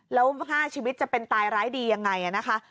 แล้ว๕ชีวิตจะเป็นตายร้ายดียังไงนะคะ